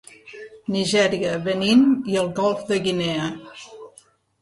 Nigèria, Benín i el Golf de Guinea.